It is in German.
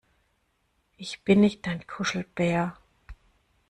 Ich bin nicht dein Kuschelbär!